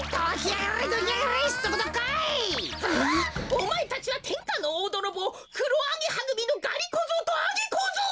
おまえたちはてんかのおおどろぼうくろアゲハぐみのがり小僧とアゲ小僧！